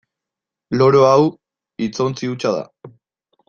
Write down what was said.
Loro hau hitzontzi hutsa da.